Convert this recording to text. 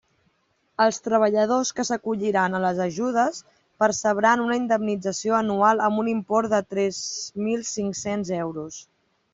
Els treballadors que s'acolliran a les ajudes percebran una indemnització anual amb un import de tres mil cinc-cents euros.